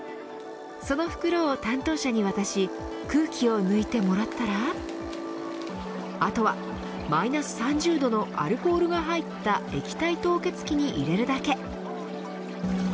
その袋を担当者に渡し空気を抜いてもらったらあとはマイナス３０度のアルコールが入った液体凍結機に入れるだけ。